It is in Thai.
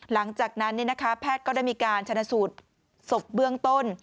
หลังจากนั้นแพทย์ก็ได้มีการชนะสูตรศพเบื้องต้น